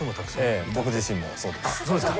ええ僕自身もそうです。